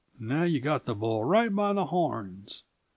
"Now you've got the bull right by the horns!